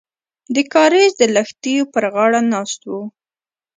د کاریز د لښتیو پر غاړه ناست وو.